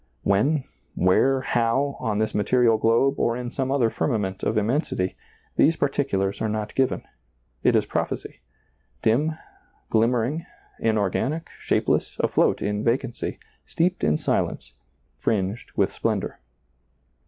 When, where, how, on this material globe, or in some other firmament of immensity, — these par ticulars are not given. It is prophecy — dim, glimmering, inorganic, shapeless, afloat in vacanty, steeped in silence, fringed with splendor.